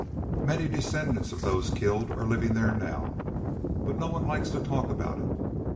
Many descendents of those killed are living there now. But no one likes to talk about it.